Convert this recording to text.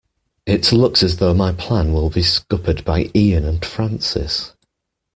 It looks as though my plan will be scuppered by Ian and Francis.